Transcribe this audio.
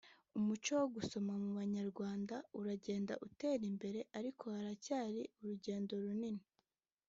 "Umuco wo gusoma mu banyarwanda uragenda utera imbere ariko haracyari urugendo runini